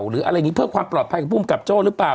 หรืออะไรอย่างนี้เพื่อความปลอดภัยของภูมิกับโจ้หรือเปล่า